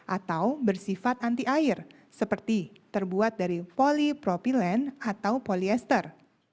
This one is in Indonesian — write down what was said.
atau bersifat anti air seperti terbuat dari polipropilen atau polyester